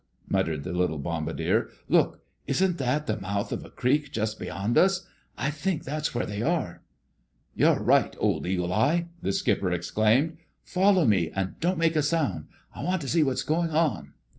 muttered the little bombardier. "Look! Isn't that the mouth of a creek just beyond us? I think that's where they are." "You're right, old Eagle eye!" the skipper exclaimed. "Follow me, and don't make a sound. I want to see what's going on."